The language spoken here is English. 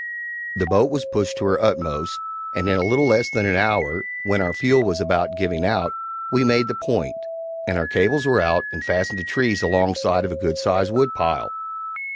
The boat was pushed to her utmost, and in a little less than an hour, when our fuel was about giving out, we made the point, and our cables were out and fastened to trees alongside of a good sized wood pile.